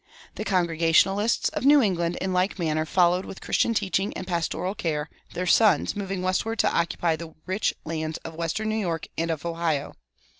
The Congregationalists of New England in like manner followed with Christian teaching and pastoral care their sons moving westward to occupy the rich lands of western New York and of Ohio.